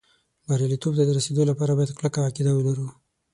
بریالېتوب ته د رسېدو لپاره باید کلکه عقیده ولرو